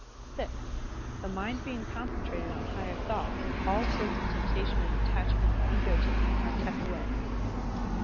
(6) The mind being concentrated on higher thoughts, all sorts of temptation and attachment and egotism are kept away.